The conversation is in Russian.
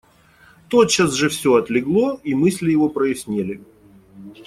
Тотчас же всё отлегло, и мысли его прояснели.